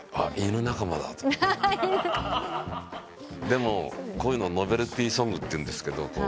でもこういうのノベルティーソングっていうんですけど。